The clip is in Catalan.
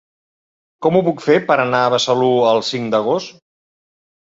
Com ho puc fer per anar a Besalú el cinc d'agost?